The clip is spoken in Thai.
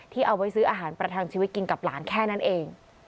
เอาไว้ซื้ออาหารประทังชีวิตกินกับหลานแค่นั้นเอง